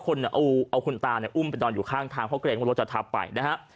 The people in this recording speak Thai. คนเอาคุณตาเนี่ยอุ้มไปนอนอยู่ข้างทางเพราะเกรงว่ารถจะทับไปนะฮะ